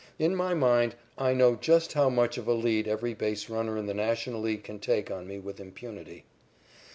In my mind, I know just how much of a lead every base runner in the National League can take on me with impunity.